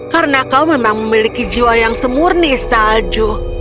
karena kau memang memiliki jiwa yang semurni salju